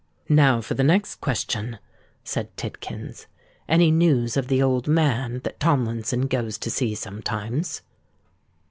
"Now for the next question," said Tidkins. "Any news of the old man that Tomlinson goes to see sometimes?"